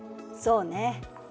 そうね。